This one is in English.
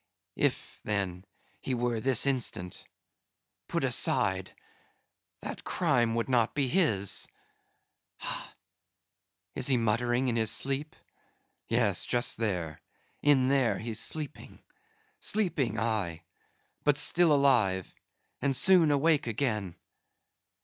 If, then, he were this instant—put aside, that crime would not be his. Ha! is he muttering in his sleep? Yes, just there,—in there, he's sleeping. Sleeping? aye, but still alive, and soon awake again.